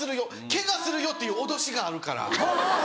ケガするよっていう脅しがあるから。